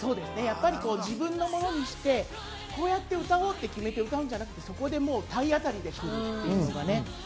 自分のものにして、こうやって歌おうって決めて歌うんじゃなくて、そこで体当たりするとかね。